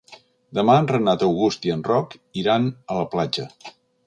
Demà en Renat August i en Roc iran a la platja.